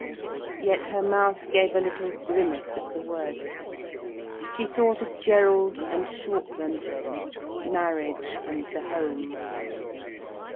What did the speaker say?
Yet her mouth gave a little grimace at the words. She thought of Gerald and Shortlands—marriage and the home!